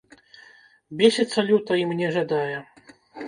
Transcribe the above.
Бесіцца люта і мне жадае.